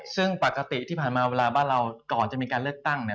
ซึ่งปกติที่ผ่านมาเวลาบ้านเราก่อนจะมีการเลือกตั้งเนี่ย